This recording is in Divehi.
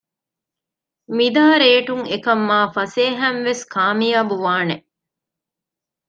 މިދާ ރޭޓުން އެކަން މާ ފަސޭހައިން ވެސް ކާމިޔާބު ވާނެ